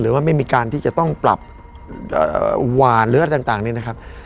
ว่าไม่มีการที่จะต้องปรับหวานหรืออะไรต่างนี้นะครับ